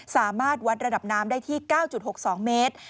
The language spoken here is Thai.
สามารถวัดระดับน้ำได้ที่๙๖๒เมตร